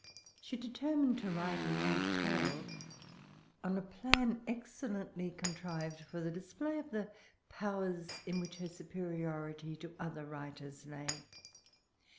She determined to write a new tale, on a plan excellently contrived for the display of the powers in which her superiority to other writers lay.